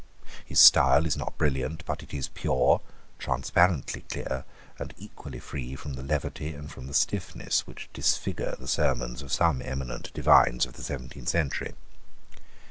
His style is not brilliant; but it is pure, transparently clear, and equally free from the levity and from the stiffness which disfigure the sermons of some eminent divines of the seventeenth century.